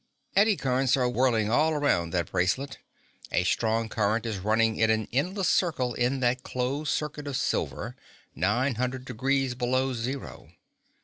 "Eddy currents are whirling all around that bracelet. A strong current is running in an endless circle in that closed circuit of silver, nine hundred degrees below zero.